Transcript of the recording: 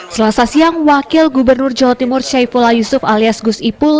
selasa siang wakil gubernur jawa timur saifullah yusuf alias gusipul